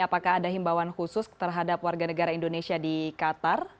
apakah ada himbawan khusus terhadap warga negara indonesia di qatar